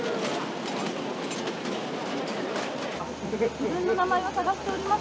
「自分の名前を探しております。